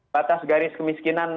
batas garis kemiskinan